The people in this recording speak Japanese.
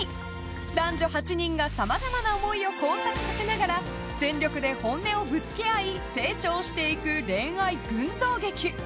男女８人がさまざまな思いを交錯させながら全力で本音をぶつけ合い成長していく恋愛群像劇！